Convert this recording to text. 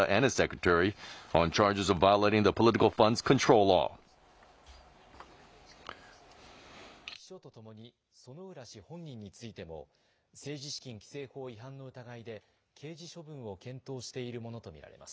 東京地検特捜部は、秘書と共に、薗浦氏本人についても、政治資金規正法違反の疑いで、刑事処分を検討しているものと見られます。